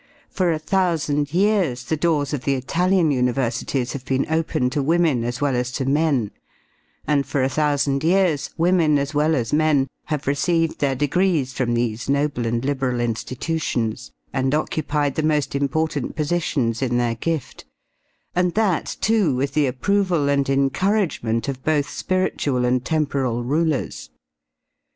For a thousand years the doors of the Italian universities have been open to women, as well as to men; and for a thousand years women, as well as men, have received their degrees from these noble and liberal institutions, and occupied the most important positions in their gift, and that, too, with the approval and encouragement of both spiritual and temporal rulers.